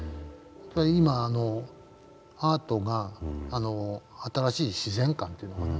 今アートが新しい自然観というのかな